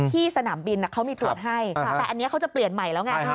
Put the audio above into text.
สนามบินเขามีตรวจให้แต่อันนี้เขาจะเปลี่ยนใหม่แล้วไง